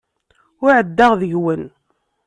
Ur ɛeddaɣ deg-wen.